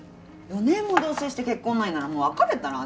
４年も同棲して結婚ないならもう別れたら？